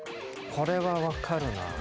これは分かるな。